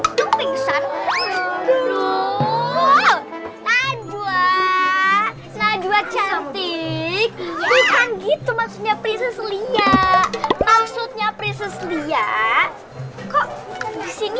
aduh najwa najwa cantik bukan gitu maksudnya prinses lia maksudnya prinses lia kok disini